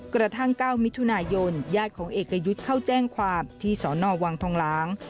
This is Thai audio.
๙มิถุนายนญาติของเอกยุทธ์เข้าแจ้งความที่สอนอวังทองหลาง